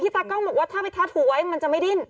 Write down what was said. ตากล้องบอกว่าถ้าไปทัดหัวไว้มันจะไม่ดิ้น